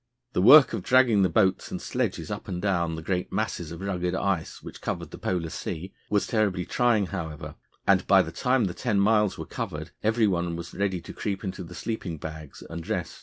The work of dragging the boats and sledges up and down the great masses of rugged ice which covered the Polar Sea was terribly trying, however, and by the time the ten miles were covered every one was ready to creep into the sleeping bags and rest.